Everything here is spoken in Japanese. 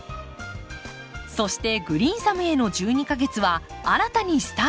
そして「グリーンサムへの１２か月」は新たにスタート！